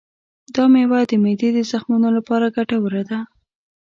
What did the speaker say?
دا مېوه د معدې د زخمونو لپاره ګټوره ده.